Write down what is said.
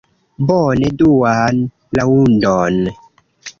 Bone, duan raŭndon!